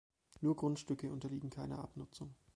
Nur Grundstücke unterliegen keiner Abnutzung.